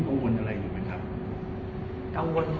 หรือเป็นอะไรที่คุณต้องการให้ดู